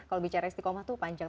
kalau bicara istiqomah itu panjang